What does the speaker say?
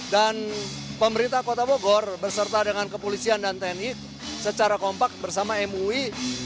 dan pemerintah kota bogor berserta dengan kepolisian dan tni secara kompak bersama mui